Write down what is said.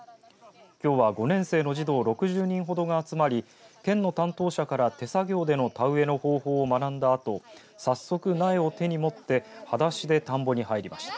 きょうは５年生の児童６０人ほどが集まり県の担当者から手作業での田植えの方法を学んだあと早速、苗を手に持ってはだしで田んぼに入りました。